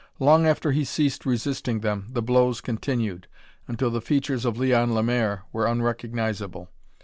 Long after he ceased resisting them, the blows continued until the features of Leon Lemaire were unrecognizable.